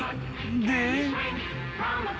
で］